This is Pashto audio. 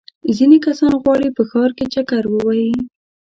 ځینې کسان غواړي په ښار کې چکر ووهي.